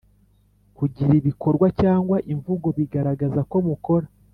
kugira ibikorwa cyangwa imvugo bigaragaza ko mukora